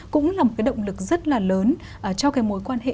cũng là một cái động lực rất là lớn cho cái mối quan hệ